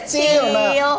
bisa jadi guru kecil